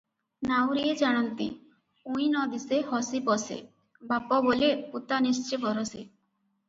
ନାଉରିଏ ଜାଣନ୍ତି, "ଉଇଁ ନ ଦିଶେ, ହସି ପଶେ, ବାପ ବୋଲେ ପୁତା-ନିଶ୍ଚେ ବରଷେ ।